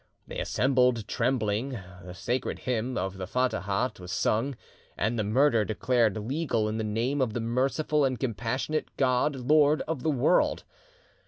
They assembled, trembling; the sacred hymn of the Fatahat was sung, and the murder declared legal, in the name of the merciful and compassionate God, Lord of the world.